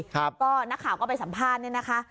ครับก็นักข่าวก็ไปสัมภาษณ์เนี่ยนะคะ